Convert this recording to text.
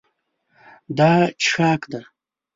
دا څښاک ده.